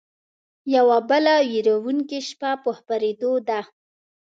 يوه بله وېرونکې شپه په خپرېدو ده